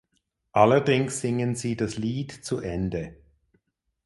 Allerdings singen sie das Lied zu Ende.